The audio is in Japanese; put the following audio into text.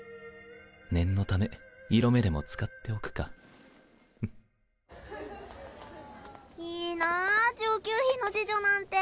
念のため色目でも使っておくかフッいいな上級妃の侍女なんて。